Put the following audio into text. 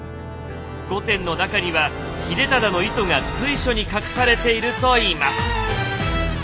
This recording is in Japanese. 御殿の中には秀忠の意図が随所に隠されているといいます。